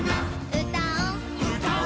「うたお」うたお。